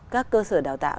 các cơ sở đào tạo